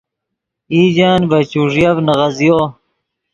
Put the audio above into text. ایژن ڤے چوݱیف نیغزیو